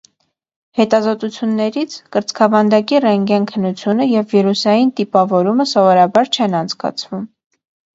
Հետազոտություններից՝ կրծքավանդակի ռենտգեն քննությունը և վիրուսային տիպավորումը սովորաբար չեն անցկացվում։